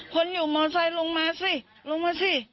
คนอยู่มอไซค์ลงมาสิลงมาสิ